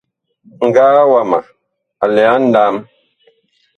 Ŋgaa wama a lɛ a nlam.